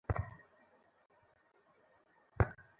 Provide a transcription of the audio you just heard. আপনার কী কোনো প্রশ্ন নেই?